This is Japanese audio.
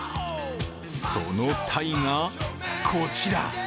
その鯛が、こちら。